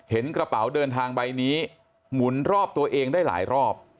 เห็นกระเป๋าเดินทางใบนี้หมุนรอบตัวเองได้หลายรอบ